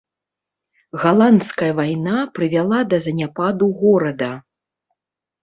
Галандская вайна прывяла да заняпаду горада.